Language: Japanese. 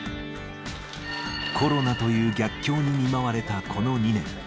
コロナという逆境に見舞われたこの２年。